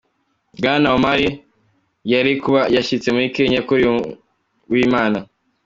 Bwana Omari yari kuba yshitse muri Kenya kuri uyu w'Imana.